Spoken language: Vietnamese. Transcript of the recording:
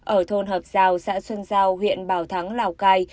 ở thôn hợp giao xã xuân giao huyện bảo thắng lào cai